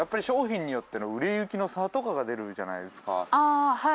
ああはい。